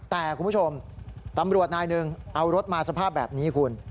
แต่คุณผู้ชมตำรวจนายหนึ่งเอารถมาสภาพแบบนี้คุณ